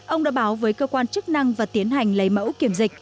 ông đã báo với cơ quan chức năng và tiến hành lấy mẫu kiểm dịch